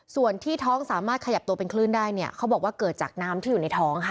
ส่วนที่ท้องสามารถขยับตัวเป็นคลื่นได้เนี่ยเขาบอกว่าเกิดจากน้ำที่อยู่ในท้องค่ะ